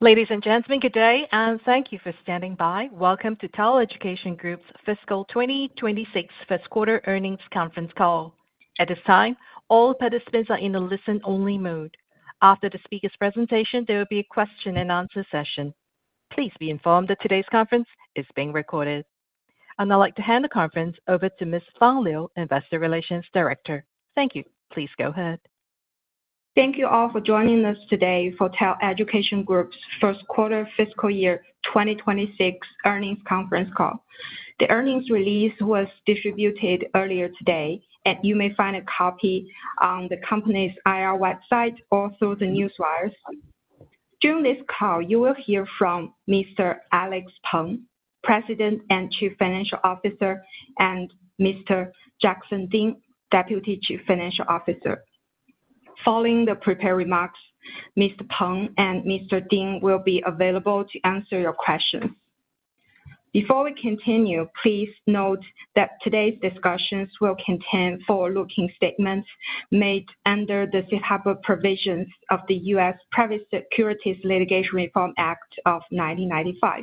Ladies and gentlemen, good day, and thank you for standing by. Welcome to TAL Education Group's fiscal 2026 first quarter earnings conference call. At this time, all participants are in a listen-only mode. After the speaker's presentation, there will be a question and answer session. Please be informed that today's conference is being recorded. I'd like to hand the conference over to Ms. Fang Liu, Investor Relations Director. Thank you. Please go ahead. Thank you all for joining us today for TAL Education Group's first quarter fiscal year 2026 earnings conference call. The earnings release was distributed earlier today, and you may find a copy on the company's IR website or through the newsletters. During this call, you will hear from Mr. Alex Peng, President and Chief Financial Officer, and Mr. Jackson Ding, Deputy Chief Financial Officer. Following the prepared remarks, Mr. Peng and Mr. Ding will be available to answer your questions. Before we continue, please note that today's discussions will contain forward-looking statements made under the Safe Harbor provisions of the U.S. Private Securities Litigation Reform Act of 1995.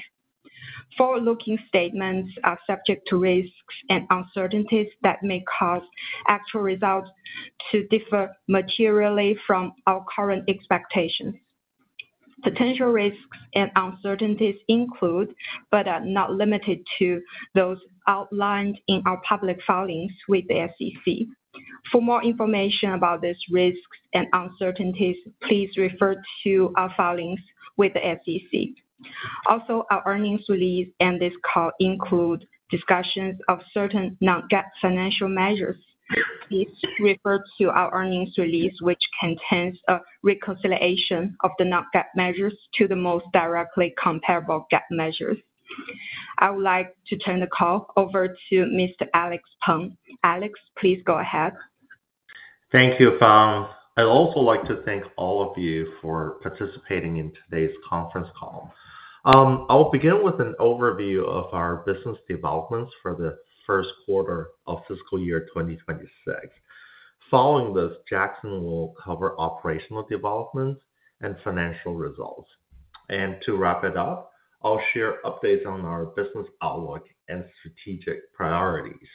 Forward-looking statements are subject to risks and uncertainties that may cause actual results to differ materially from our current expectations. Potential risks and uncertainties include, but are not limited to those outlined in our public filings with the SEC. For more information about these risks and uncertainties, please refer to our filings with the SEC. Also, our earnings release and this call include discussions of certain non-GAAP financial measures. Please refer to our earnings release, which contains a reconciliation of the non-GAAP measures to the most directly comparable GAAP measures. I would like to turn the call over to Mr. Alex Peng. Alex, please go ahead. Thank you, Fang. I'd also like to thank all of you for participating in today's conference call. I will begin with an overview of our business developments for the first quarter of fiscal year 2026. Following this, Jackson will cover operational developments and financial results. To wrap it up, I'll share updates on our business outlook and strategic priorities.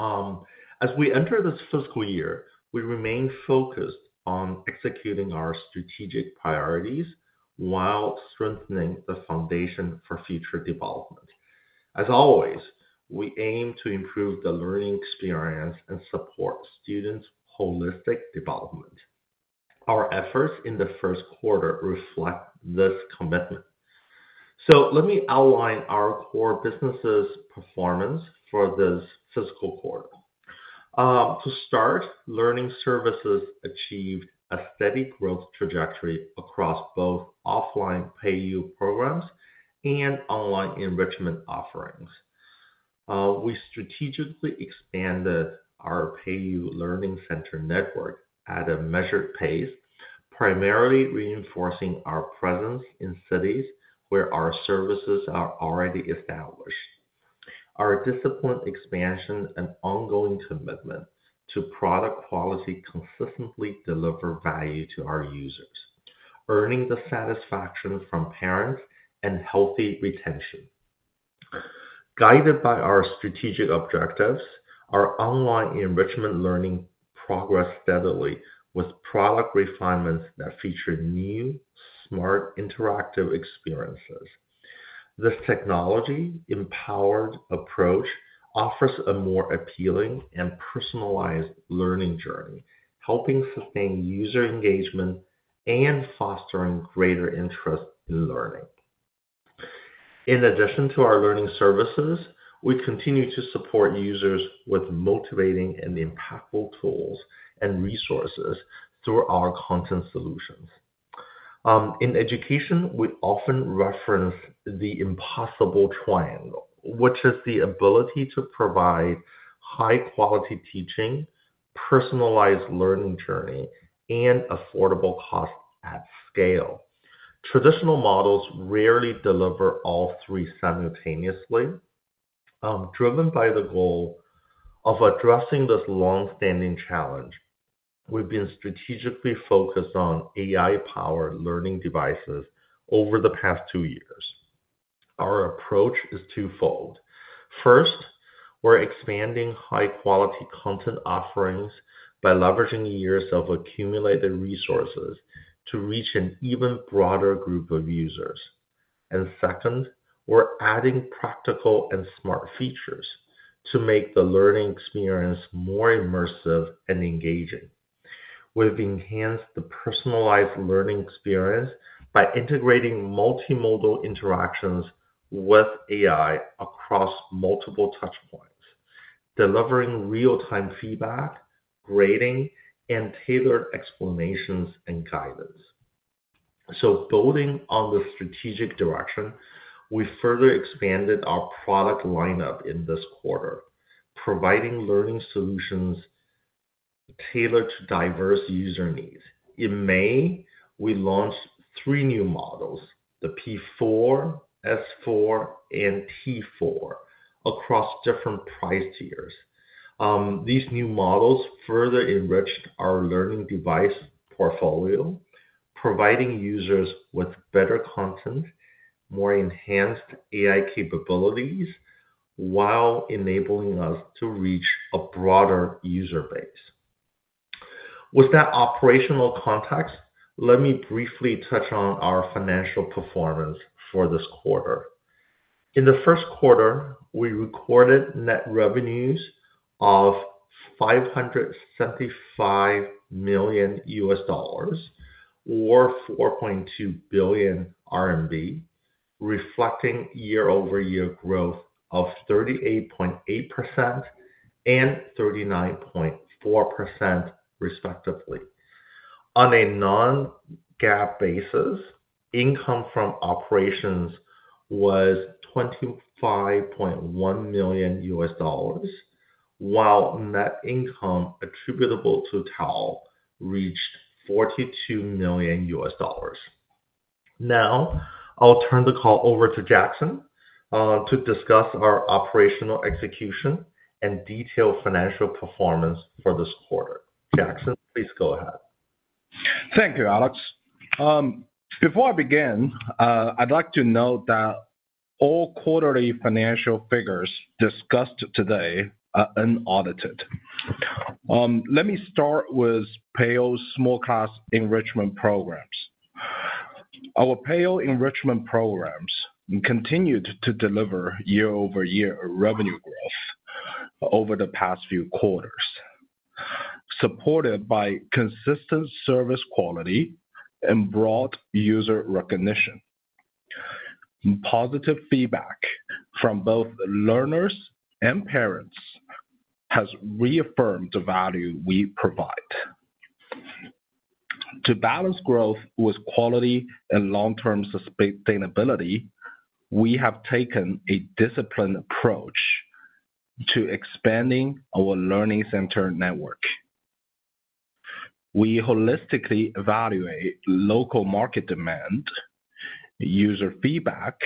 As we enter this fiscal year, we remain focused on executing our strategic priorities while strengthening the foundation for future development. As always, we aim to improve the learning experience and support students' holistic development. Our efforts in the first quarter reflect this commitment. Let me outline our core businesses' performance for this fiscal quarter. To start, learning services achieved a steady growth trajectory across both offline Peiyou programs and online enrichment offerings. We strategically expanded our Peiyou Learning Center network at a measured pace, primarily reinforcing our presence in cities where our services are already established. Our disciplined expansion and ongoing commitment to product quality consistently deliver value to our users, earning the satisfaction from parents and healthy retention. Guided by our strategic objectives, our online enrichment learning progressed steadily with product refinements that feature new, smart, interactive experiences. This technology-empowered approach offers a more appealing and personalized learning journey, helping sustain user engagement and fostering greater interest in learning. In addition to our learning services, we continue to support users with motivating and impactful tools and resources through our content solutions. In education, we often reference the impossible triangle, which is the ability to provide high-quality teaching, personalized learning journey, and affordable cost at scale. Traditional models rarely deliver all three simultaneously. Driven by the goal of addressing this longstanding challenge, we've been strategically focused on AI-powered learning devices over the past two years. Our approach is twofold. First, we're expanding high-quality content offerings by leveraging years of accumulated resources to reach an even broader group of users. Second, we're adding practical and smart features to make the learning experience more immersive and engaging. We've enhanced the personalized learning experience by integrating multimodal interactions with AI across multiple touchpoints, delivering real-time feedback, grading, and tailored explanations and guidance. Building on the strategic direction, we further expanded our product lineup in this quarter, providing learning solutions tailored to diverse user needs. In May, we launched three new models: the P4, S4, and T4 across different price tiers. These new models further enriched our learning device portfolio, providing users with better content, more enhanced AI capabilities, while enabling us to reach a broader user base. With that operational context, let me briefly touch on our financial performance for this quarter. In the first quarter, we recorded net revenues of $575 million, or 4.2 billion RMB, reflecting year-over-year growth of 38.8% and 39.4% respectively. On a non-GAAP basis, income from operations was $25.1 million, while net income attributable to TAL reached $42 million. Now, I'll turn the call over to Jackson to discuss our operational execution and detailed financial performance for this quarter. Jackson, please go ahead. Thank you, Alex. Before I begin, I'd like to note that all quarterly financial figures discussed today are unaudited. Let me start with Peiyou Small Class Enrichment programs. Our PaU Enrichment programs continued to deliver year-over-year revenue growth over the past few quarters, supported by consistent service quality and broad user recognition. Positive feedback from both learners and parents has reaffirmed the value we provide. To balance growth with quality and long-term sustainability, we have taken a disciplined approach to expanding our learning center network. We holistically evaluate local market demand, user feedback,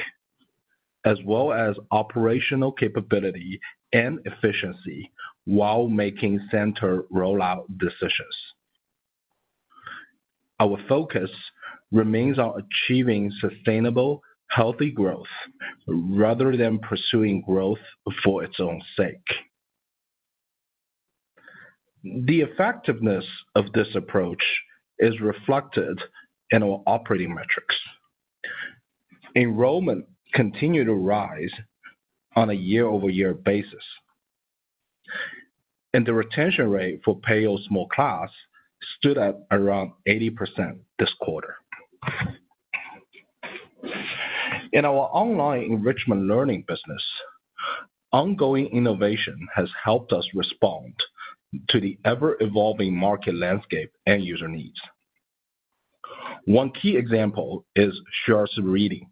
as well as operational capability and efficiency while making center rollout decisions. Our focus remains on achieving sustainable, healthy growth rather than pursuing growth for its own sake. The effectiveness of this approach is reflected in our operating metrics. Enrollment continued to rise on a year-over-year basis, and the retention rate for Peiyou Small Class stood at around 80% this quarter. In our online enrichment learning business, ongoing innovation has helped us respond to the ever-evolving market landscape and user needs. One key example is Shares of Reading,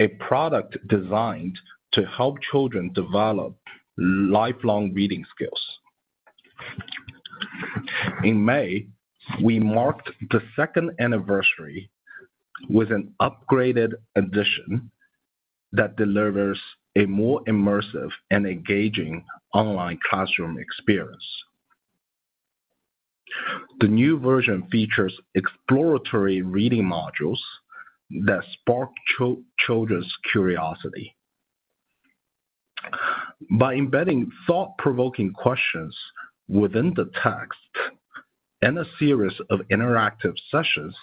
a product designed to help children develop lifelong reading skills. In May, we marked the second anniversary with an upgraded edition that delivers a more immersive and engaging online classroom experience. The new version features exploratory reading modules that spark children's curiosity. By embedding thought-provoking questions within the text and a series of interactive sessions,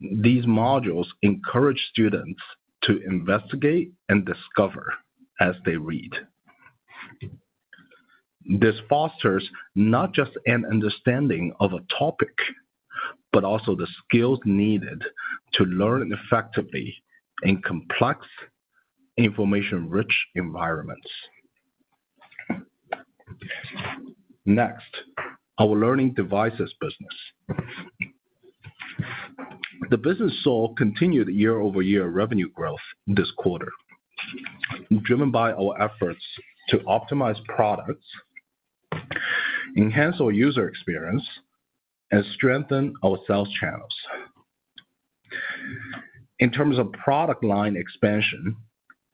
these modules encourage students to investigate and discover as they read. This fosters not just an understanding of a topic, but also the skills needed to learn effectively in complex, information-rich environments. Next, our learning devices business. The business saw continued year-over-year revenue growth this quarter, driven by our efforts to optimize products, enhance our user experience, and strengthen our sales channels. In terms of product line expansion,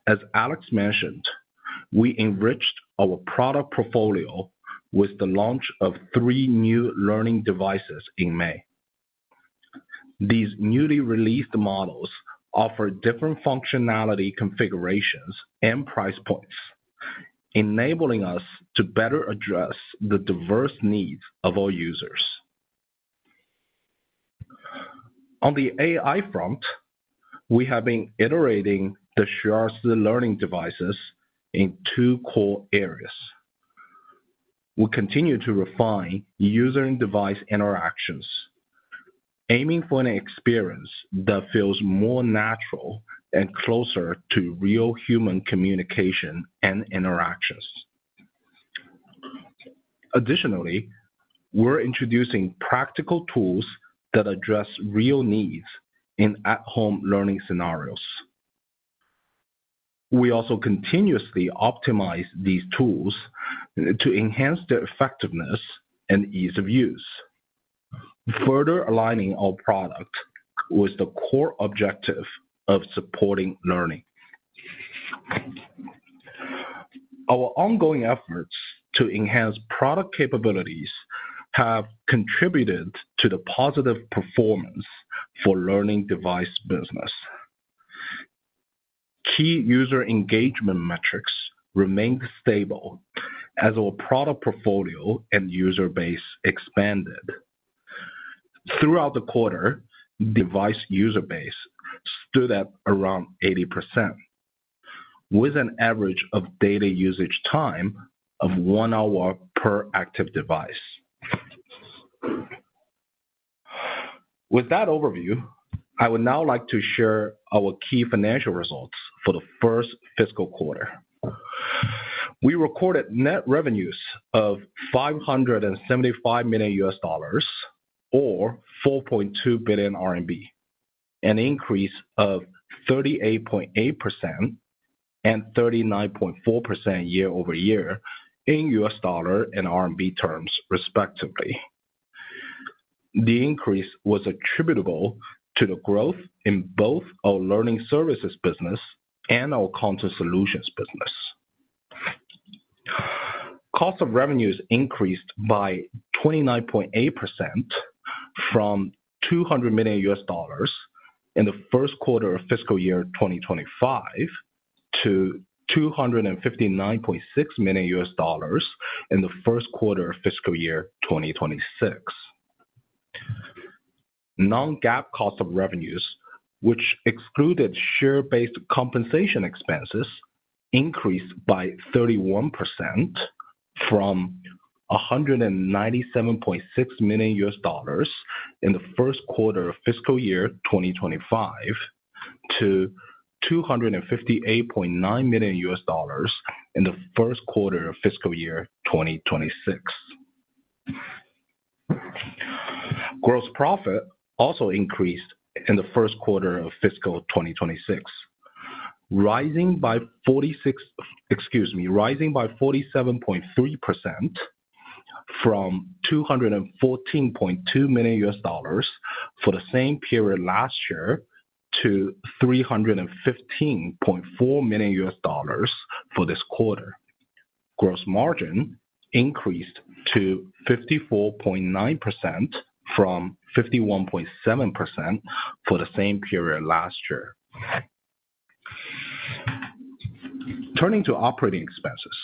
as Alex mentioned, we enriched our product portfolio with the launch of three new learning devices in May. These newly released models offer different functionality configurations and price points, enabling us to better address the diverse needs of our users. On the AI front, we have been iterating the Shares of Reading devices in two core areas. We continue to refine user and device interactions, aiming for an experience that feels more natural and closer to real human communication and interactions. Additionally, we're introducing practical tools that address real needs in at-home learning scenarios. We also continuously optimize these tools to enhance their effectiveness and ease of use, further aligning our product with the core objective of supporting learning. Our ongoing efforts to enhance product capabilities have contributed to the positive performance for learning device business. Key user engagement metrics remain stable as our product portfolio and user base expanded. Throughout the quarter, the device user base stood at around 80%, with an average of daily usage time of one hour per active device. With that overview, I would now like to share our key financial results for the first fiscal quarter. We recorded net revenues of $575 million, or RMB 4.2 billion, an increase of 38.8% and 39.4% year-over-year in U.S. dollar and RMB terms, respectively. The increase was attributable to the growth in both our learning services business and our content solutions business. Cost of revenues increased by 29.8% from $200 million in the first quarter of fiscal year 2025 to $259.6 million in the first quarter of fiscal year 2026. Non-GAAP cost of revenues, which excluded share-based compensation expenses, increased by 31% from $197.6 million in the first quarter of fiscal year 2025 to $258.9 million in the first quarter of fiscal year 2026. Gross profit also increased in the first quarter of fiscal 2026, rising by 47.3% from $214.2 million for the same period last year to $315.4 million for this quarter. Gross margin increased to 54.9% from 51.7% for the same period last year. Turning to operating expenses,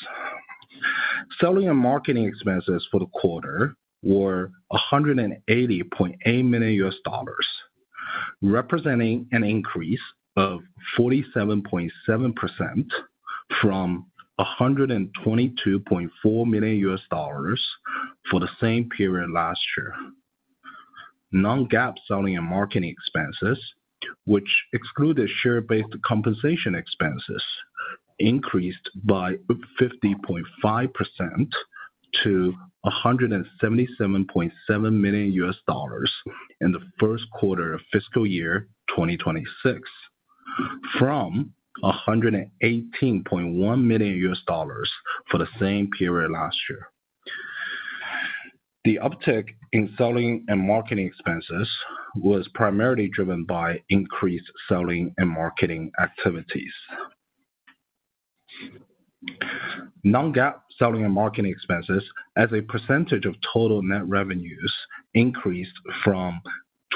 selling and marketing expenses for the quarter were $180.8 million, representing an increase of 47.7% from $122.4 million for the same period last year. Non-GAAP selling and marketing expenses, which excluded share-based compensation expenses, increased by 50.5% to $177.7 million in the first quarter of fiscal year 2026 from $118.1 million for the same period last year. The uptick in selling and marketing expenses was primarily driven by increased selling and marketing activities. Non-GAAP selling and marketing expenses, as a percentage of total net revenues, increased from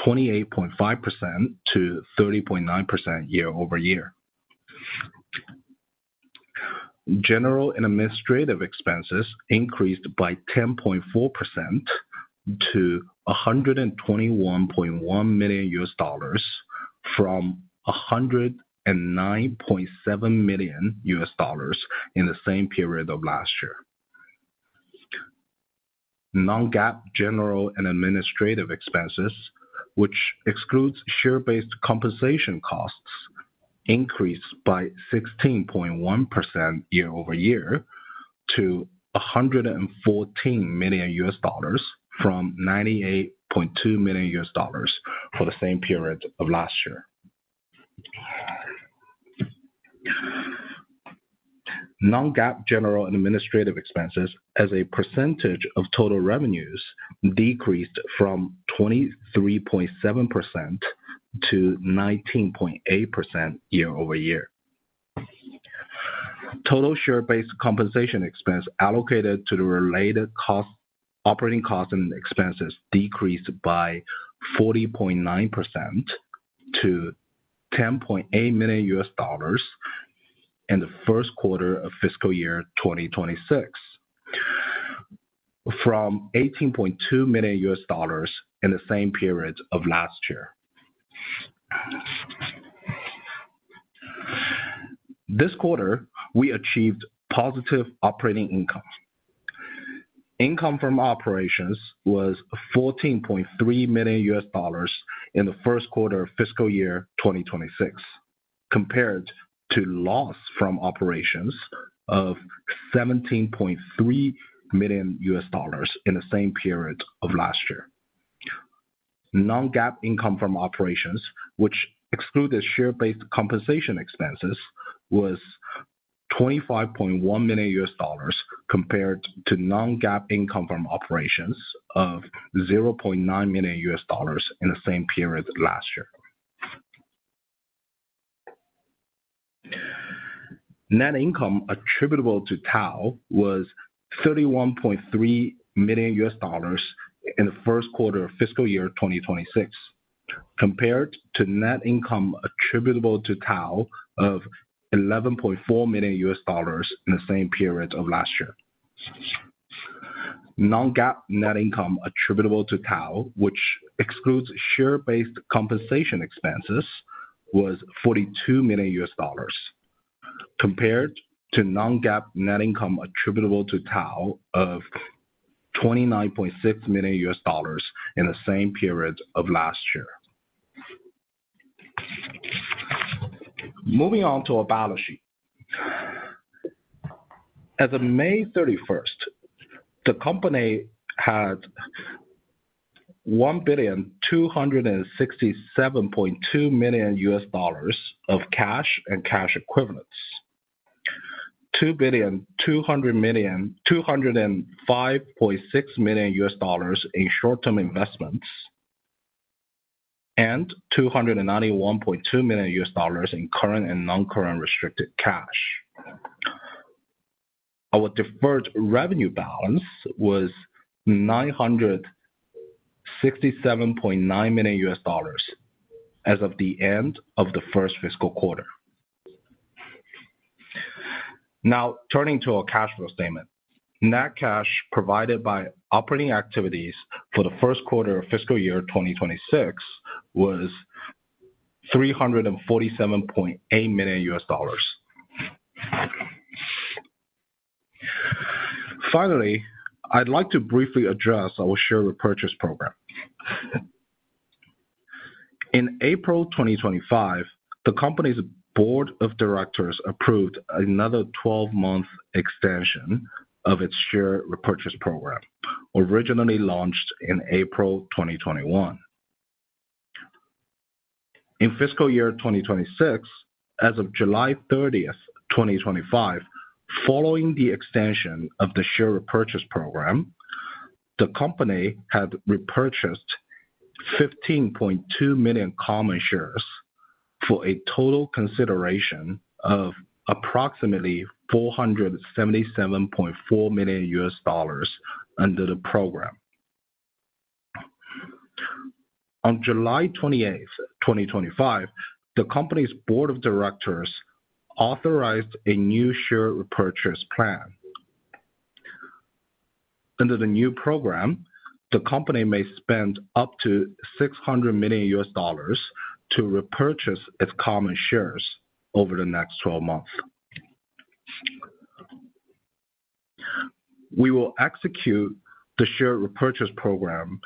28.5%-30.9% year-over-year. General and administrative expenses increased by 10.4% to $121.1 million from $109.7 million in the same period of last year. Non-GAAP general and administrative expenses, which exclude share-based compensation costs, increased by 16.1% year-over-year to $114 million from $98.2 million for the same period of last year. Non-GAAP general and administrative expenses, as a percentage of total revenues, decreased from 23.7%-19.8% year-over-year. Total share-based compensation expense allocated to the related costs, operating costs, and expenses decreased by 40.9% to $10.8 million in the first quarter of fiscal year 2026 from $18.2 million in the same period of last year. This quarter, we achieved positive operating income. Income from operations was $14.3 million in the first quarter of fiscal year 2026, compared to loss from operations of $17.3 million in the same period of last year. Non-GAAP income from operations, which excluded share-based compensation expenses, was $25.1 million compared to non-GAAP income from operations of $0.9 million in the same period last year. Net income attributable to TAL was $31.3 million in the first quarter of fiscal year 2026, compared to net income attributable to TAL of $11.4 million in the same period of last year. Non-GAAP net income attributable to TAL, which excludes share-based compensation expenses, was $42 million compared to non-GAAP net income attributable to TAL of $29.6 million in the same period of last year. Moving on to our balance sheet. As of May 31, the company had $1,267.2 million of cash and cash equivalents, $2,205.6 million in short-term investments, and $291.2 million in current and non-current restricted cash. Our deferred revenue balance was $967.9 million as of the end of the first fiscal quarter. Now, turning to our cash flow statement, net cash provided by operating activities for the first quarter of fiscal year 2026 was $347.8 million. Finally, I'd like to briefly address our share repurchase program. In April 2025, the company's board of directors approved another 12-month extension of its share repurchase program, originally launched in April 2021. In fiscal year 2026, as of July 30, 2025, following the extension of the share repurchase program, the company had repurchased 15.2 million common shares for a total consideration of approximately $477.4 million under the program. On July 28, 2025, the company's Board of Directors authorized a new share repurchase plan. Under the new program, the company may spend up to $600 million to repurchase its common shares over the next 12 months. We will execute the share repurchase program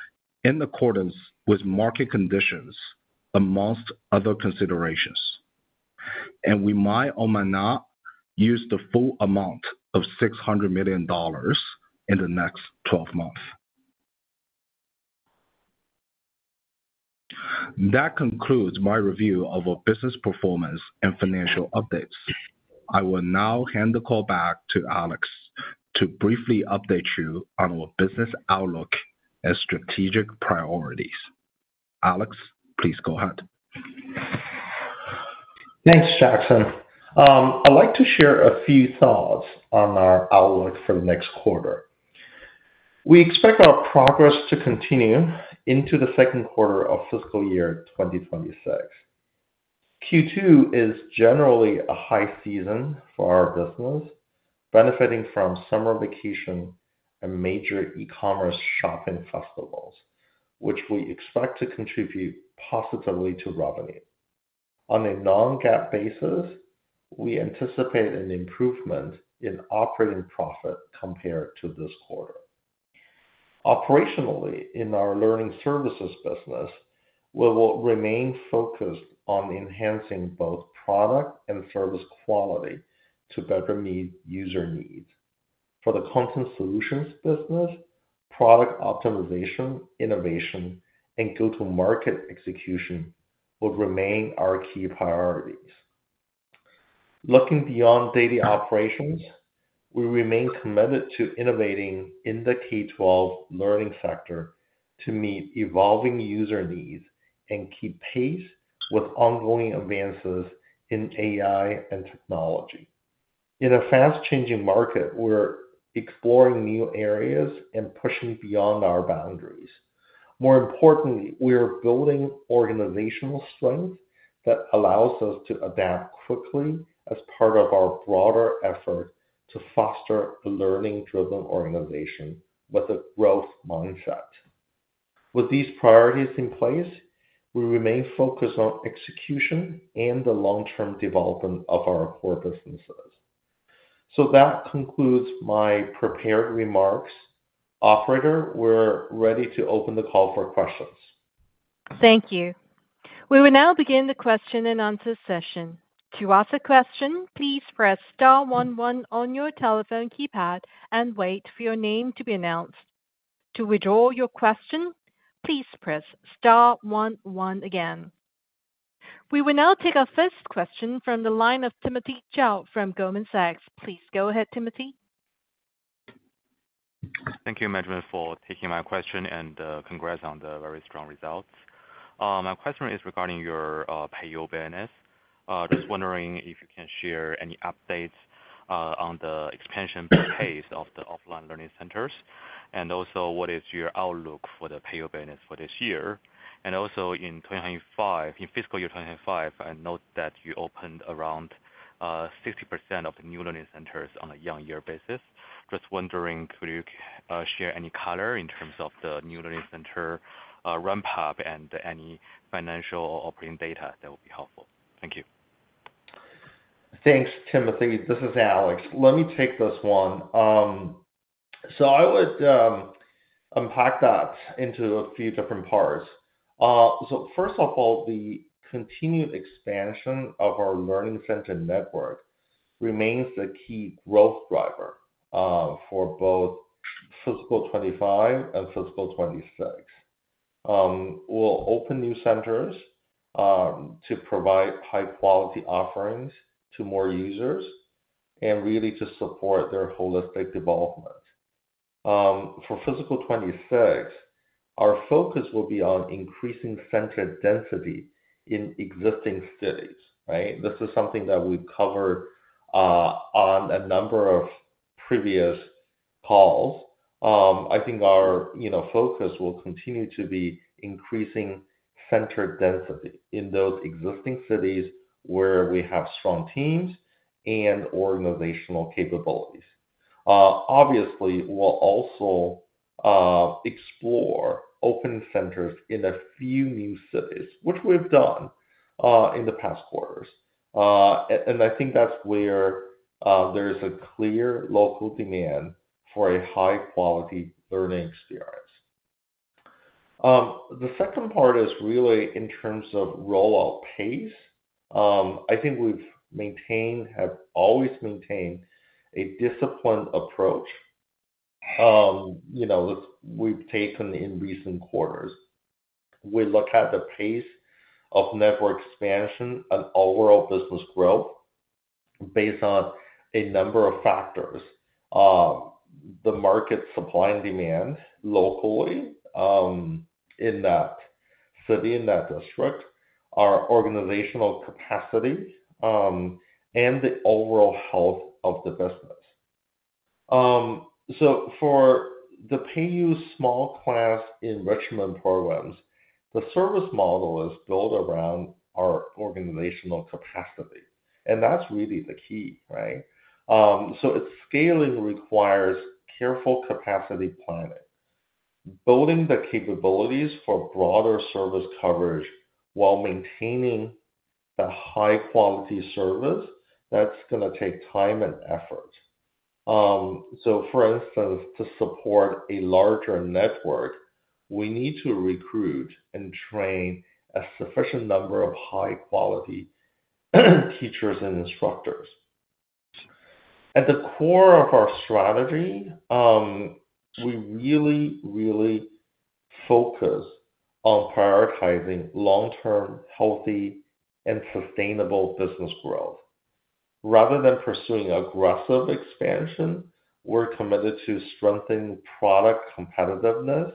in accordance with market conditions, among other considerations. We might or might not use the full amount of $600 million in the next 12 months. That concludes my review of our business performance and financial updates. I will now hand the call back to Alex to briefly update you on our business outlook and strategic priorities. Alex, please go ahead. Thanks, Jackson. I'd like to share a few thoughts on our outlook for the next quarter. We expect our progress to continue into the second quarter of fiscal year 2026. Q2 is generally a high season for our business, benefiting from summer vacation and major e-commerce shopping festivals, which we expect to contribute positively to revenue. On a non-GAAP basis, we anticipate an improvement in operating profit compared to this quarter. Operationally, in our learning services business, we will remain focused on enhancing both product and service quality to better meet user needs. For the content solutions business, product optimization, innovation, and go-to-market execution will remain our key priorities. Looking beyond daily operations, we remain committed to innovating in the K-12 learning sector to meet evolving user needs and keep pace with ongoing advances in AI and technology. In a fast-changing market, we're exploring new areas and pushing beyond our boundaries. More importantly, we are building organizational strength that allows us to adapt quickly as part of our broader effort to foster a learning-driven organization with a growth mindset. With these priorities in place, we remain focused on execution and the long-term development of our core businesses. That concludes my prepared remarks. Operator, we're ready to open the call for questions. Thank you. We will now begin the question and answer session. To ask a question, please press star one-one on your telephone keypad and wait for your name to be announced. To withdraw your question, please press star one-one again. We will now take our first question from the line of Timothy Zhao from Goldman Sachs. Please go ahead, Timothy. Thank you, management, for taking my question and congrats on the very strong results. My question is regarding your payroll awareness. Just wondering if you can share any updates on the expansion pace of the offline learning centers, and also what is your outlook for the payroll awareness for this year? In 2025, in fiscal year 2025, I note that you opened around 60% of the new learning centers on a year-on-year basis. Just wondering, could you share any color in terms of the new learning center ramp-up and any financial or operating data that would be helpful? Thank you. Thanks, Timothy. This is Alex. Let me take this one. I would unpack that into a few different parts. First of all, the continued expansion of our learning center network remains the key growth driver for both fiscal 2025 and fiscal 2026. We'll open new centers to provide high-quality offerings to more users and really to support their holistic development. For fiscal 2026, our focus will be on increasing center density in existing cities, right? This is something that we've covered on a number of previous calls. I think our focus will continue to be increasing center density in those existing cities where we have strong teams and organizational capabilities. Obviously, we'll also explore opening centers in a few new cities, which we've done in the past quarters. I think that's where there is a clear local demand for a high-quality learning experience. The second part is really in terms of rollout pace. I think we've always maintained a disciplined approach. We've taken in recent quarters. We look at the pace of network expansion and overall business growth based on a number of factors: the market supply and demand locally in that city, in that district, our organizational capacity, and the overall health of the business. For the Peiyou Learning Center Small Class Enrichment programs, the service model is built around our organizational capacity. That's really the key, right? Its scaling requires careful capacity planning, building the capabilities for broader service coverage while maintaining the high-quality service that's going to take time and effort. For instance, to support a larger network, we need to recruit and train a sufficient number of high-quality teachers and instructors. At the core of our strategy, we really, really focus on prioritizing long-term, healthy, and sustainable business growth. Rather than pursuing aggressive expansion, we're committed to strengthening product competitiveness,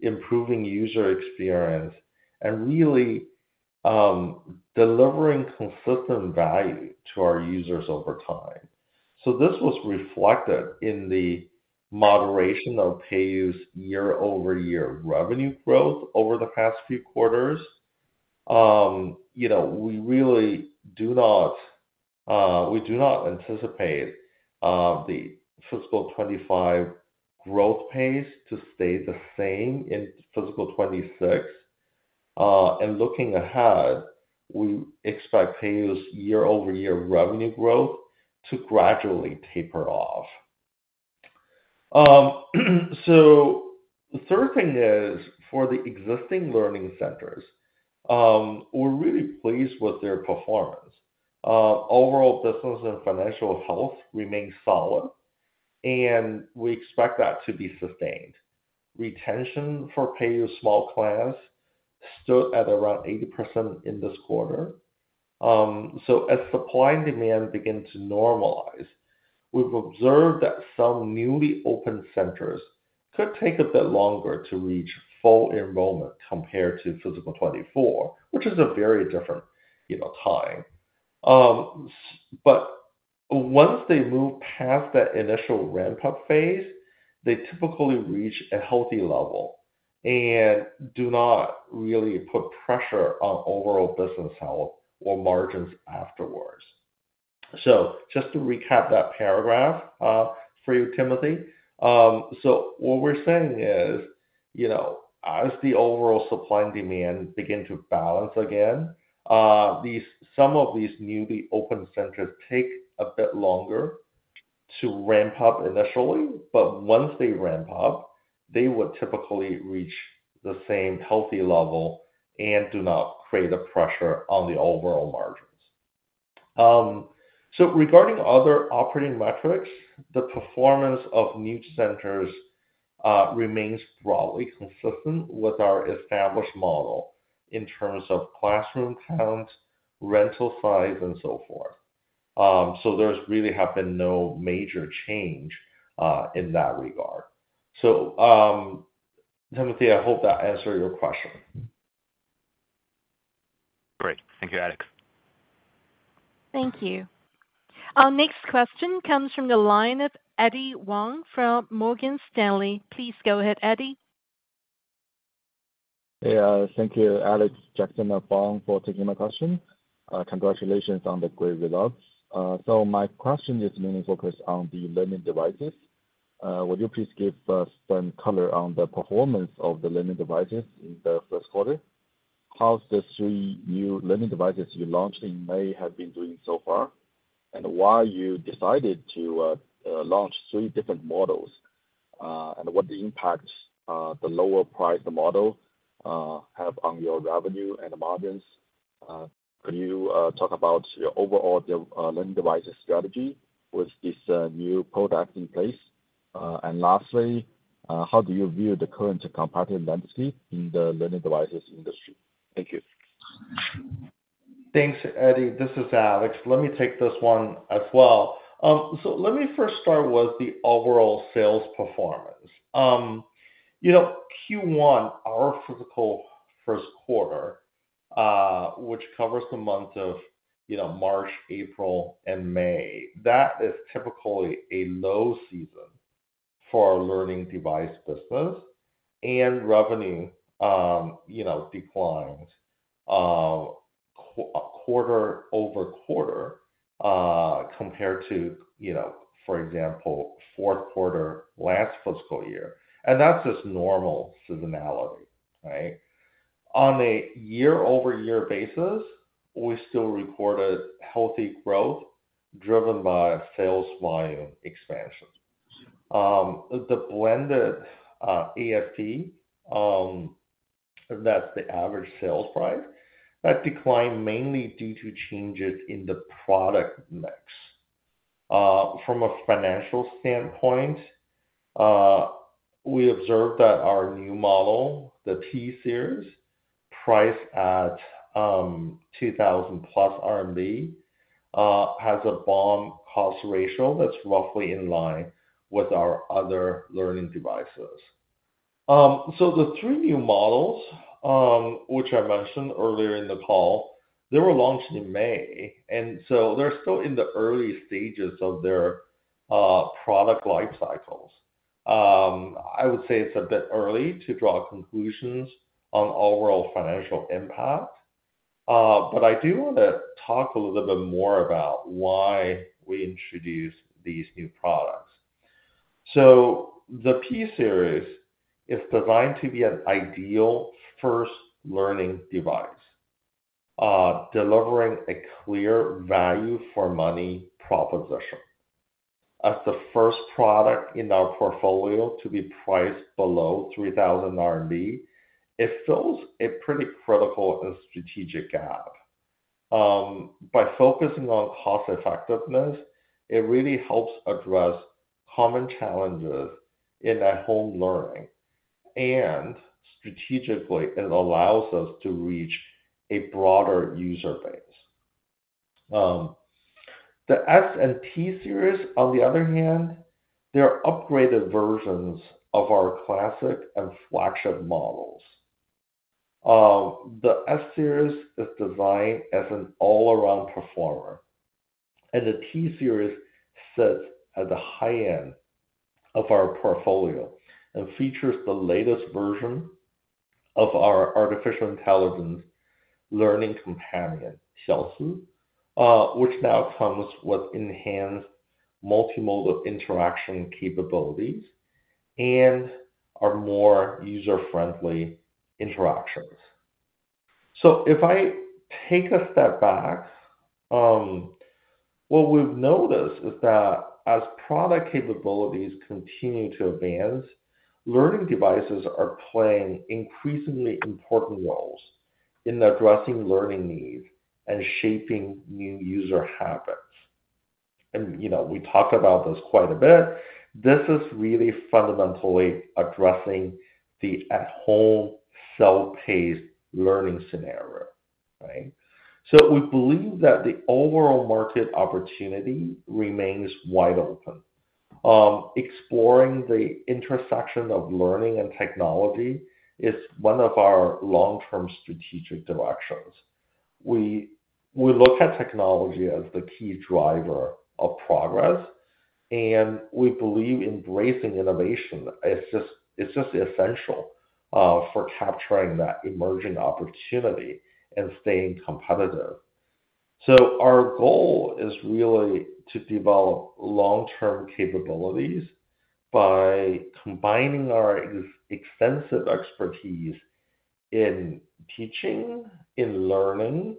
improving user experience, and really delivering consistent value to our users over time. This was reflected in the moderation of Peiyou's year-over-year revenue growth over the past few quarters. We really do not anticipate the fiscal 2025 growth pace to stay the same in fiscal 2026. Looking ahead, we expect Peiyou's year-over-year revenue growth to gradually taper off. The third thing is for the existing learning centers, we're really pleased with their performance. Overall business and financial health remains solid, and we expect that to be sustained. Retention for Peiyou Learning Center Small Class Enrichment programs stood at around 80% in this quarter. As supply and demand begin to normalize, we've observed that some newly opened centers could take a bit longer to reach full enrollment compared to fiscal 2024, which is a very different time. Once they move past that initial ramp-up phase, they typically reach a healthy level and do not really put pressure on overall business health or margins afterwards. Just to recap that paragraph for you, Timothy, what we're saying is, as the overall supply and demand begin to balance again, some of these newly opened centers take a bit longer to ramp up initially. Once they ramp up, they would typically reach the same healthy level and do not create a pressure on the overall margins. Regarding other operating metrics, the performance of new centers remains broadly consistent with our established model in terms of classroom count, rental size, and so forth. There has really been no major change in that regard. Timothy, I hope that answered your question. Great. Thank you, Alex. Thank you. Our next question comes from the line of Eddy Wang from Morgan Stanley. Please go ahead, Eddy. Thank you, Alex, Jackson, and Fang, for taking my question. Congratulations on the great results. My question is mainly focused on the learning devices. Would you please give us some color on the performance of the learning devices in the first quarter? How have the three new learning devices you launched in May been doing so far? Why did you decide to launch three different models, and what impact does the lower price model have on your revenue and margins? Could you talk about your overall learning devices strategy with this new product in place? Lastly, how do you view the current competitive landscape in the learning devices industry? Thank you. Thanks, Eddie. This is Alex. Let me take this one as well. Let me first start with the overall sales performance. You know, Q1, our fiscal first quarter, which covers the months of March, April, and May, is typically a low season for our learning device business. Revenue declined quarter over quarter compared to, for example, the fourth quarter last fiscal year. That's just normal seasonality, right? On a year-over-year basis, we still recorded healthy growth driven by sales volume expansion. The blended ASP, that's the average sales price, declined mainly due to changes in the product mix. From a financial standpoint, we observed that our new model, the T series, priced at ¥2,000 plus, has a BOM cost ratio that's roughly in line with our other learning devices. The three new models, which I mentioned earlier in the call, were launched in May, and they're still in the early stages of their product life cycles. I would say it's a bit early to draw conclusions on overall financial impact. I do want to talk a little bit more about why we introduced these new products. The P series is designed to be an ideal first learning device, delivering a clear value for money proposition. As the first product in our portfolio to be priced below ¥3,000, it fills a pretty critical and strategic gap. By focusing on cost effectiveness, it really helps address common challenges in at-home learning. Strategically, it allows us to reach a broader user base. The S and T series, on the other hand, are upgraded versions of our classic and flagship models. The S series is designed as an all-around performer, and the T series sits at the high end of our portfolio and features the latest version of our artificial intelligence learning companion, Xiaoxi, which now comes with enhanced multimodal interaction capabilities and more user-friendly interactions. If I take a step back, what we've noticed is that as product capabilities continue to advance, learning devices are playing increasingly important roles in addressing learning needs and shaping new user habits. We talked about this quite a bit. This is really fundamentally addressing the at-home self-paced learning scenario, right? We believe that the overall market opportunity remains wide open. Exploring the intersection of learning and technology is one of our long-term strategic directions. We look at technology as the key driver of progress. We believe embracing innovation is just essential for capturing that emerging opportunity and staying competitive. Our goal is really to develop long-term capabilities by combining our extensive expertise in teaching, in learning,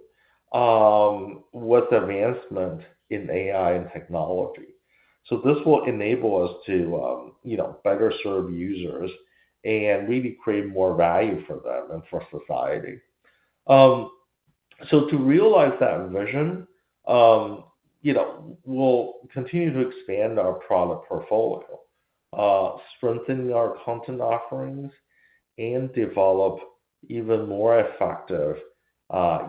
with advancement in AI and technology. This will enable us to better serve users and really create more value for them and for society. To realize that vision, we'll continue to expand our product portfolio, strengthen our content offerings, and develop even more effective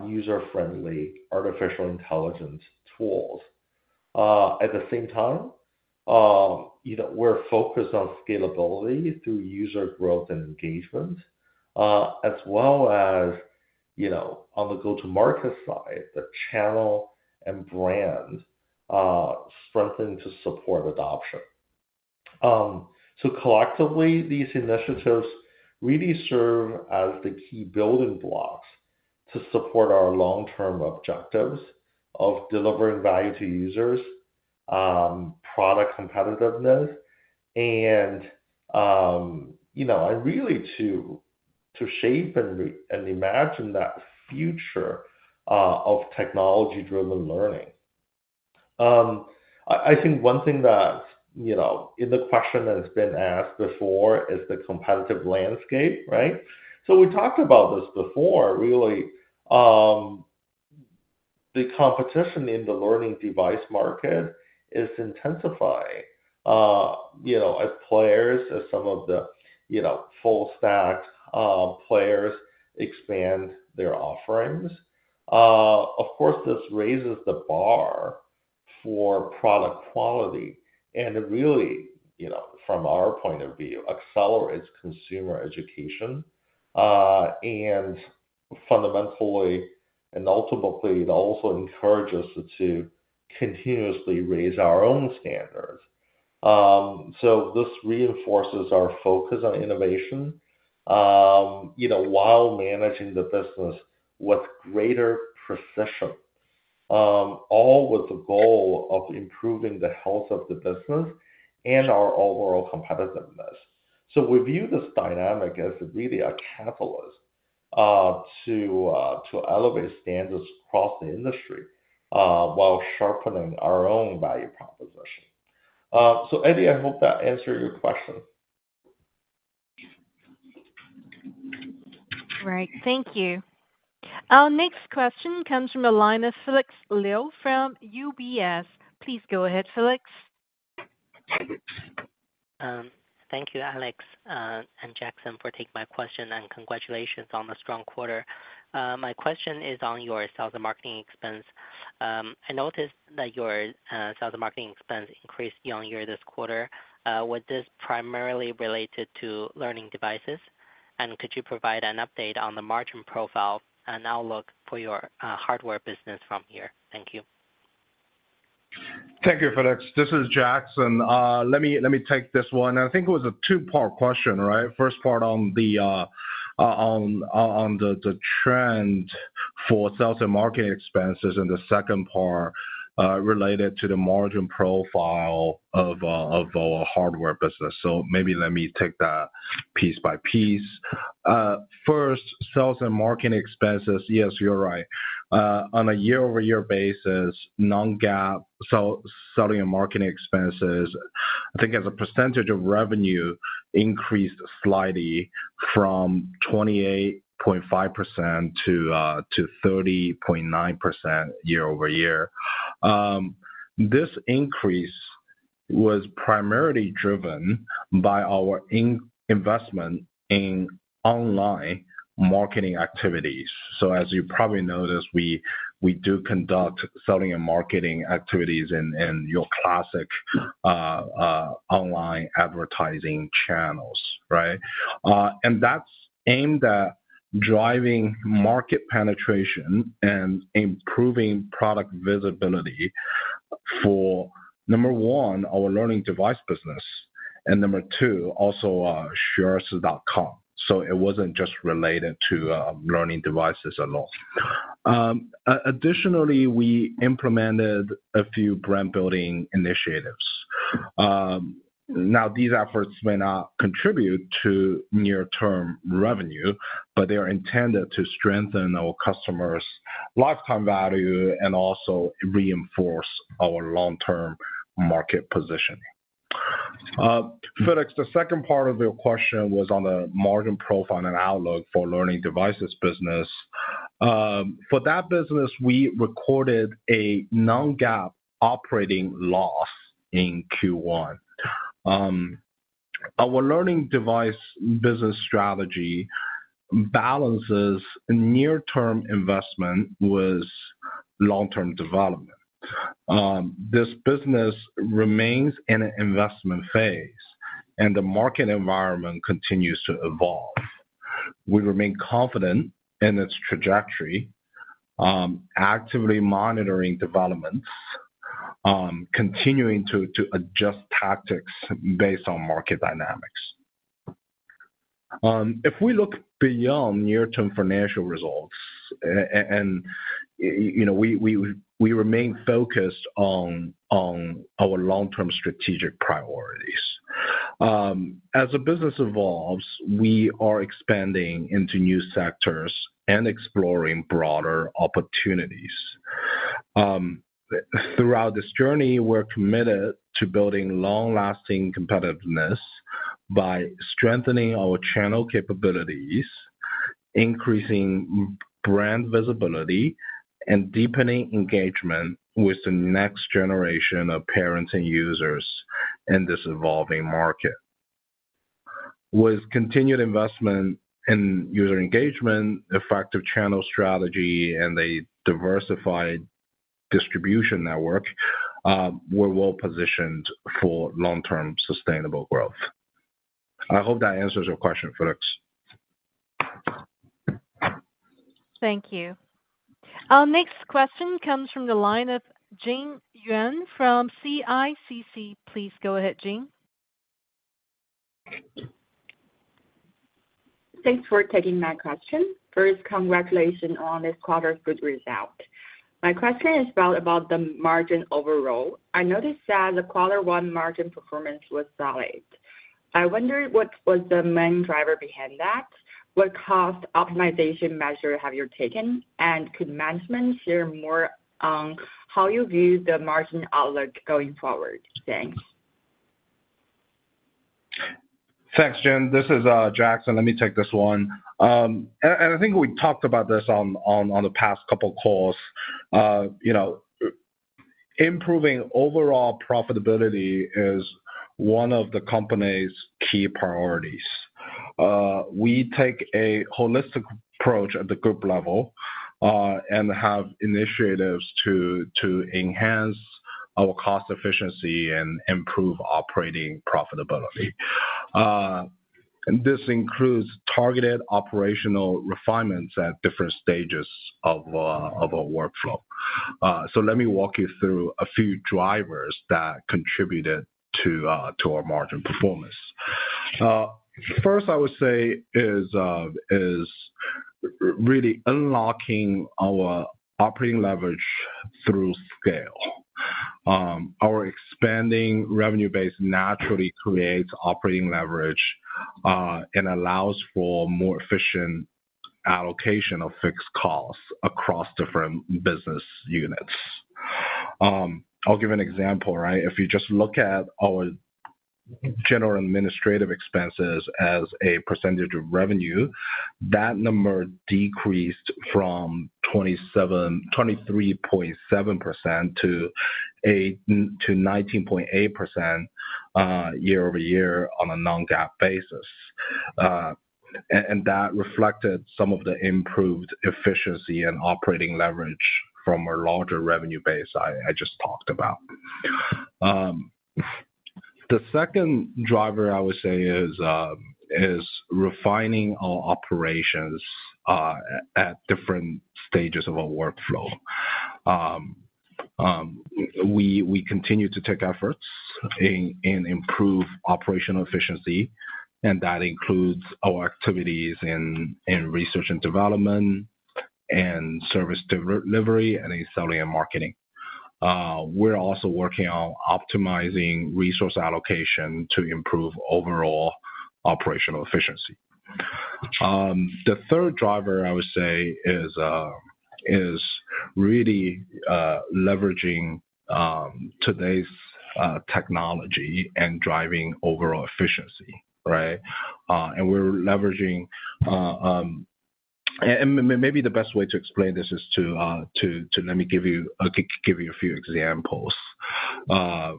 user-friendly artificial intelligence tools. At the same time, we're focused on scalability through user growth and engagement, as well as on the go-to-market side, the channel and brand strengthened to support adoption. Collectively, these initiatives really serve as the key building blocks to support our long-term objectives of delivering value to users, product competitiveness, and really to shape and imagine that future of technology-driven learning. I think one thing that, in the question that has been asked before, is the competitive landscape, right? We talked about this before, really. The competition in the learning device market is intensifying. As players, as some of the full-stacked players expand their offerings, of course, this raises the bar for product quality. From our point of view, it accelerates consumer education. Fundamentally, and ultimately, it also encourages us to continuously raise our own standards. This reinforces our focus on innovation while managing the business with greater precision, all with the goal of improving the health of the business and our overall competitiveness. We view this dynamic as really a catalyst to elevate standards across the industry while sharpening our own value proposition. Eddie, I hope that answered your question. All right. Thank you. Our next question comes from the line of Felix Liu from UBS. Please go ahead, Felix. Thank you, Alex and Jackson, for taking my question and congratulations on the strong quarter. My question is on your sales and marketing expense. I noticed that your sales and marketing expense increased year-on-year this quarter. Was this primarily related to learning devices? Could you provide an update on the margin profile and outlook for your hardware business from here? Thank you. Thank you, Felix. This is Jackson. Let me take this one. I think it was a two-part question, right? First part on the trend for sales and marketing expenses and the second part related to the margin profile of our hardware business. Maybe let me take that piece by piece. First, sales and marketing expenses, yes, you're right. On a year-over-year basis, non-GAAP selling and marketing expenses, I think as a percentage of revenue increased slightly from 28.5% to 30.9% year-over-year. This increase was primarily driven by our investment in online marketing activities. As you probably noticed, we do conduct selling and marketing activities in your classic online advertising channels, right? That's aimed at driving market penetration and improving product visibility for, number one, our learning device business, and number two, also Shares of Reading. It wasn't just related to learning devices alone. Additionally, we implemented a few brand-building initiatives. These efforts may not contribute to near-term revenue, but they are intended to strengthen our customers' lifetime value and also reinforce our long-term market position. Felix, the second part of your question was on the margin profile and outlook for learning devices business. For that business, we recorded a non-GAAP operating loss in Q1. Our learning device business strategy balances near-term investment with long-term development. This business remains in an investment phase, and the market environment continues to evolve. We remain confident in its trajectory, actively monitoring developments, continuing to adjust tactics based on market dynamics. If we look beyond near-term financial results, we remain focused on our long-term strategic priorities. As the business evolves, we are expanding into new sectors and exploring broader opportunities. Throughout this journey, we're committed to building long-lasting competitiveness by strengthening our channel capabilities, increasing brand visibility, and deepening engagement with the next generation of parents and users in this evolving market. With continued investment in user engagement, effective channel strategy, and a diversified distribution network, we're well positioned for long-term sustainable growth. I hope that answers your question, Felix. Thank you. Our next question comes from the line of Jing Yuan from CICC. Please go ahead, Jing. Thanks for taking my question. First, congratulations on this quarter's good result. My question is about the margin overall. I noticed that the quarter one margin performance was solid. I wonder what was the main driver behind that? What cost optimization measures have you taken? Could management share more on how you view the margin outlook going forward? Thanks. Thanks, Jing. This is Jackson. Let me take this one. I think we talked about this on the past couple of calls. You know, improving overall profitability is one of the company's key priorities. We take a holistic approach at the group level and have initiatives to enhance our cost efficiency and improve operating profitability. This includes targeted operational refinements at different stages of our workflow. Let me walk you through a few drivers that contributed to our margin performance. First, I would say, is really unlocking our operating leverage through scale. Our expanding revenue base naturally creates operating leverage and allows for more efficient allocation of fixed costs across different business units. I'll give an example, right? If you just look at our general administrative expenses as a percentage of revenue, that number decreased from 23.7% to 19.8% year-over-year on a non-GAAP basis. That reflected some of the improved efficiency and operating leverage from a larger revenue base I just talked about. The second driver I would say is refining our operations at different stages of our workflow. We continue to take efforts in improving operational efficiency, and that includes our activities in research and development and service delivery and in selling and marketing. We're also working on optimizing resource allocation to improve overall operational efficiency. The third driver I would say is really leveraging today's technology and driving overall efficiency, right? We're leveraging, and maybe the best way to explain this is to let me give you a few examples.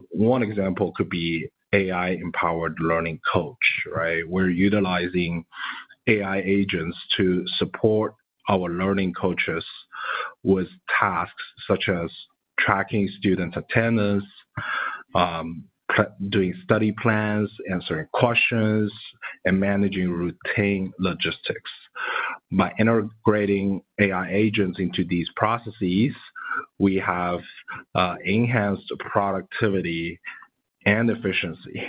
One example could be AI-powered learning coaches, right? We're utilizing AI agents to support our learning coaches with tasks such as tracking students' attendance, doing study plans, answering questions, and managing routine logistics. By integrating AI agents into these processes, we have enhanced productivity and efficiency.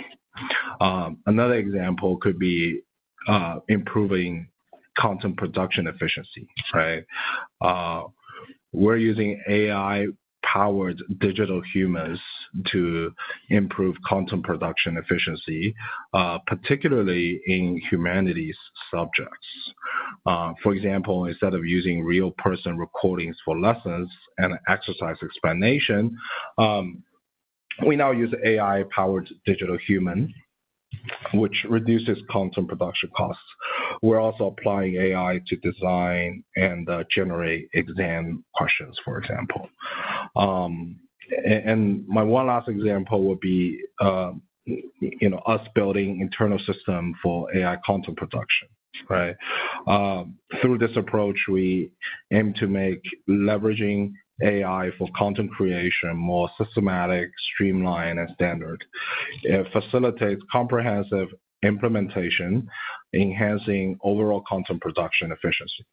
Another example could be improving content production efficiency, right? We're using AI-powered digital humans to improve content production efficiency, particularly in humanities subjects. For example, instead of using real-person recordings for lessons and exercise explanation, we now use AI-powered digital humans, which reduces content production costs. We're also applying AI to design and generate exam questions, for example. My one last example would be us building an internal system for AI content production, right? Through this approach, we aim to make leveraging AI for content creation more systematic, streamlined, and standard. It facilitates comprehensive implementation, enhancing overall content production efficiency.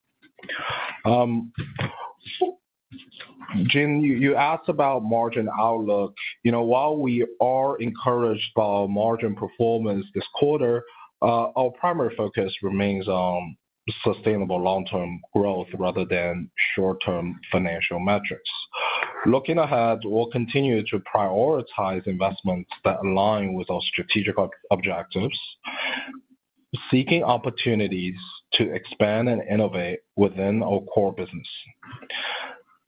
Jing, you asked about margin outlook. While we are encouraged by margin performance this quarter, our primary focus remains on sustainable long-term growth rather than short-term financial metrics. Looking ahead, we'll continue to prioritize investments that align with our strategic objectives, seeking opportunities to expand and innovate within our core business.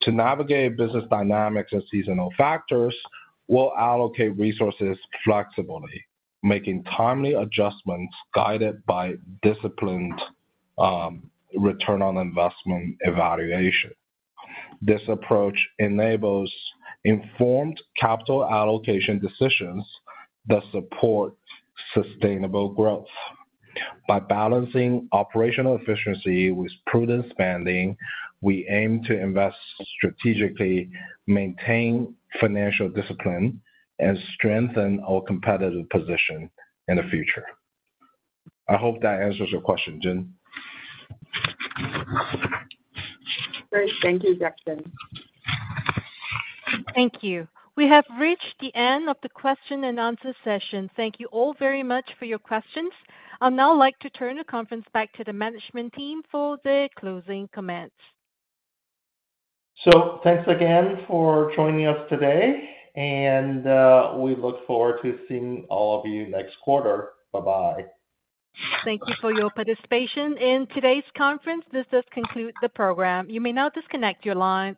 To navigate business dynamics and seasonal factors, we'll allocate resources flexibly, making timely adjustments guided by disciplined return on investment evaluation. This approach enables informed capital allocation decisions that support sustainable growth. By balancing operational efficiency with prudent spending, we aim to invest strategically, maintain financial discipline, and strengthen our competitive position in the future. I hope that answers your question, Jing. Great. Thank you, Jackson. Thank you. We have reached the end of the question and answer session. Thank you all very much for your questions. I'd now like to turn the conference back to the management team for their closing comments. Thank you again for joining us today. We look forward to seeing all of you next quarter. Bye-bye. Thank you for your participation in today's conference. This does conclude the program. You may now disconnect your line.